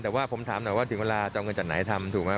แต่ว่าผมถามหน่อยว่าถึงเวลาจะเอาเงินจากไหนทำถูกไหม